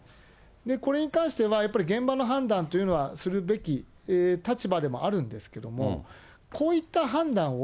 これに関しては、やっぱり現場の判断というのはするべき立場でもあるんですけども、こういった判断を、